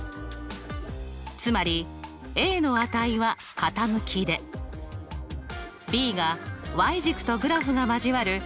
つまりの値は傾きでｂが軸とグラフが交わる